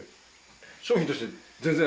商品として全然？